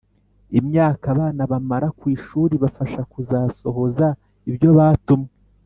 imyaka abana bamara ku ishuri ibafasha kuzasohoza ibyo batumwe\